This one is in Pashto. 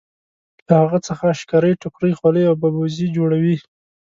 له هغه څخه شکرۍ ټوکرۍ خولۍ او ببوزي جوړوي.